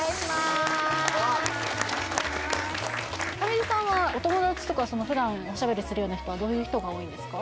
こんばんは上地さんはお友達とか普段おしゃべりするような人はどういう人が多いんですか？